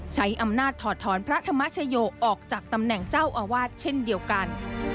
ใช้อำนาจถอดถอนพระธรรมชโยออกจากตำแหน่งเจ้าอาวาสเช่นเดียวกัน